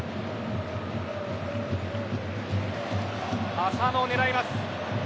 浅野を狙います。